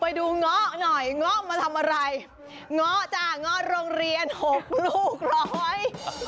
ไปดูเงาะหน่อยเงาะมาทำอะไรเงาะจ้ะเงาะโรงเรียนหกลูกร้อย